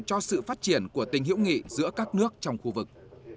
cho sự phát triển của tình hữu nghị giữa các nước trong khu vực